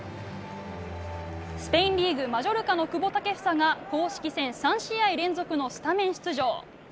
スペインリーグマジョルカの久保建英が公式戦３試合連続のスタメン出場。